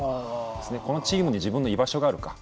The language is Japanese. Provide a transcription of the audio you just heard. このチームに自分の居場所があるか。